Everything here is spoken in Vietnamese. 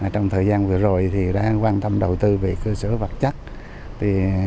trong thời gian vừa rồi đã quan tâm đầu tư về cơ sở vật chất